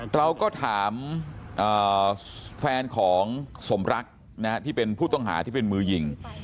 เราก็ถามแฟนของสมรักที่เป็นผู้ต้องหาที่เป็นมือยิง